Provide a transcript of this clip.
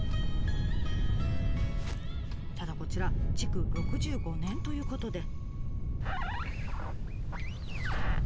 ただこちら築６５年ということで。